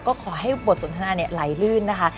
ก็ขอให้บทสนทนาไหลลื่นนะคะ